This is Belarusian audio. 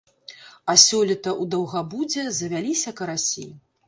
А сёлета у даўгабудзе завяліся карасі.